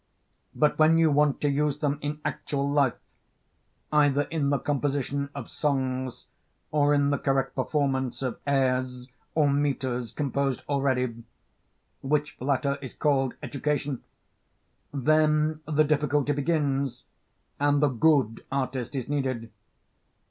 But when you want to use them in actual life, either in the composition of songs or in the correct performance of airs or metres composed already, which latter is called education, then the difficulty begins, and the good artist is needed.